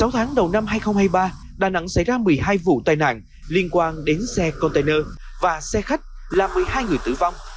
sáu tháng đầu năm hai nghìn hai mươi ba đà nẵng xảy ra một mươi hai vụ tai nạn liên quan đến xe container và xe khách là một mươi hai người tử vong